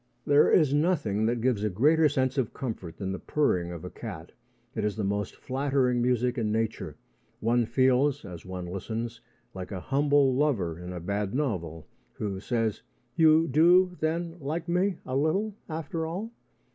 There is nothing that gives a greater sense of comfort than the purring of a cat. It is the most flattering music in nature. One feels, as one listens, like a humble lover in a bad novel, who says: "You do, then, like me a little after all?"